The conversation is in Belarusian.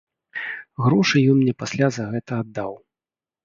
Грошы ён мне пасля за гэта аддаў.